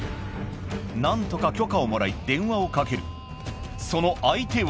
何とか許可をもらい電話をかけるその相手は？